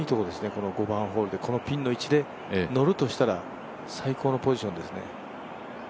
この５番ホールでこのピンの位置でのるとしたら最高のポジションですね。